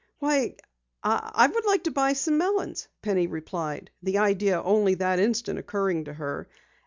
"Why, I should like to buy some melons," Penny replied, the idea only that instant occurring to her.